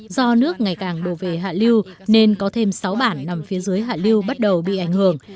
do nước ngày càng đổ về hạ lưu nên có thêm sáu bản nằm phía dưới hạ lưu bắt đầu bị ảnh hưởng